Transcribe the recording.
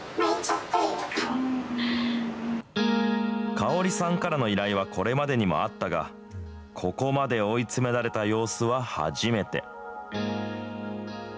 カオリさんからの依頼は、これまでにもあったが、ここまで追い詰められた様子は初めて。